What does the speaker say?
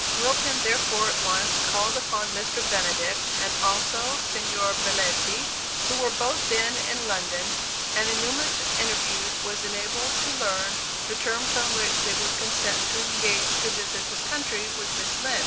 Wilton therefore at once called upon Mr. Benedict and also Signor Belletti, who were both then in London, and in numerous interviews was enabled to learn the terms on which they would consent to engage to visit this country with Miss Lind.